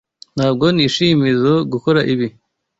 Ntabwo nishimizoe gukora ibi.